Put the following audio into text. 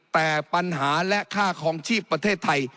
แต่ปัญหาและค่าคลองชีพประเทศไทย